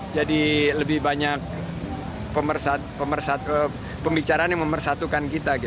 jadi lebih banyak pembicaraan yang memersatukan kita